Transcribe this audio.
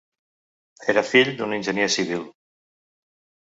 Era fill d'un enginyer civil.